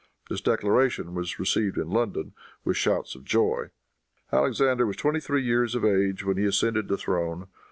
This declaration was received in London with shouts of joy. Alexander was twenty three years of age when he ascended the throne.